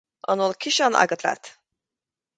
An bhfuil ciseán agat leat?